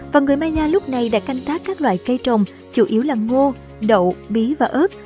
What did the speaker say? và người maya lúc này đã canh tác các loại cây trồng chủ yếu là ngô đậu bí và ớt